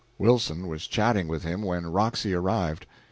Wilson was chatting with him when Roxy arrived.